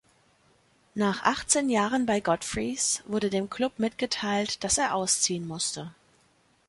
Nach achtzehn Jahren bei Godfrey‘s wurde dem Club mitgeteilt, dass er ausziehen musste.